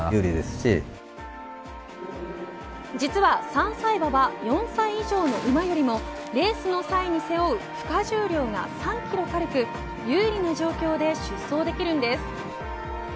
実は３歳馬は４歳以上の馬よりもレースの際に背負う負担重量が３キロ軽く有利な状況で出走できるんです。